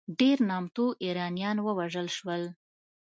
ډېر نامتو ایرانیان ووژل شول.